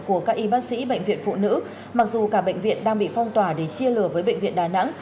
của các y bác sĩ bệnh viện phụ nữ mặc dù cả bệnh viện đang bị phong tỏa để chia lửa với bệnh viện đà nẵng